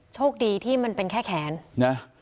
โชคดีที่มันเป็นแค่แขนนะ